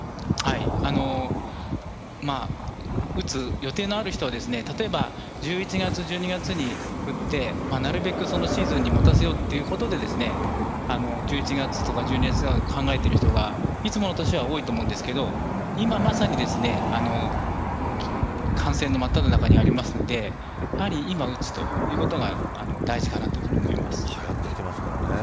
打つ予定のある人は１１月、１２月に打ってなるべくシーズンに持たせようということで１１月とか１２月を考えてる人はいつもの年は多いと思いますが今、まさに感染のまっただ中にありますのでやはり今打つということがはやってきていますからね。